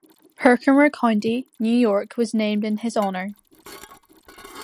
Herkimer County, New York was named in his honor.